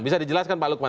bisa dijelaskan pak lukman